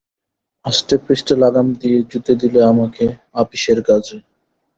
আষ্টেপৃষ্ঠে লাগাম দিয়ে জুতে দিলে আমাকে আপিসের কাজে।